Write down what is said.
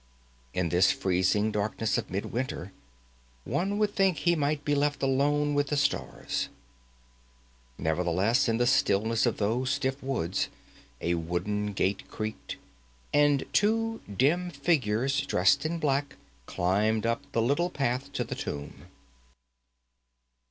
In this freezing darkness of mid winter one would think he might be left alone with the stars. Nevertheless, in the stillness of those stiff woods a wooden gate creaked, and two dim figures dressed in black climbed up the little path to the tomb.